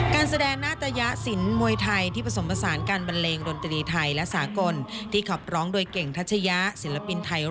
การแสดงหน้าตะยะสินมวยไทย